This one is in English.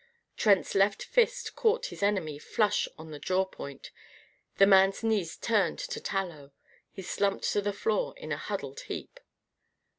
Trent's left fist caught his enemy flush on the jaw point. The man's knees turned to tallow. He slumped to the floor in a huddled heap.